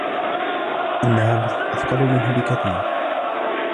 إنها أثقل منه بكثير.